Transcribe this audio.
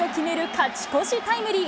勝ち越しタイムリー。